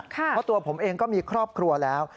เพราะตัวผมเองก็มีครอบครัวแล้ว